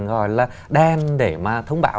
gọi là đen để mà thông báo